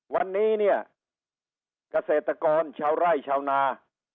วันนี้เนี่ยเกษตรกรชาวไร่ชาวนา